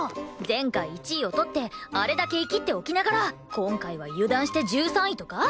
前回１位を取ってあれだけイキっておきながら今回は油断して１３位とか？